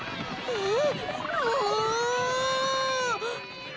えっ！？